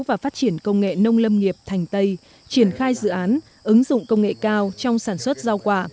và phát triển công nghệ nông lâm nghiệp thành tây triển khai dự án ứng dụng công nghệ cao trong sản xuất rau quả